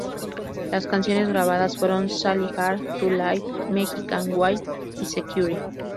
Las canciones grabadas fueron Sally, Hard To Live, Mexican Wave y Secure.